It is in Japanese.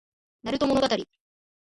なると物語